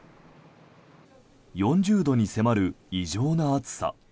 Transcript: ４０度に迫る異常な暑さ。